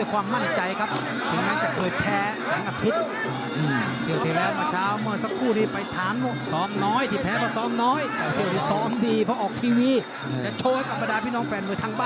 วิจารณ์มัวได้ทุกวันครับ